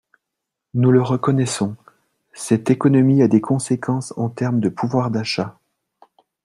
Nous le reconnaissons, cette économie a des conséquences en termes de pouvoir d’achat.